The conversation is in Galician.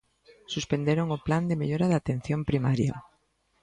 Suspenderon o Plan de mellora da atención primaria.